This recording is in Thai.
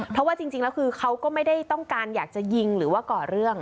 เพราะว่าจริงแล้วคือเขาก็ไม่ได้ต้องการอยากจะยิงหรือว่าก่อเรื่อง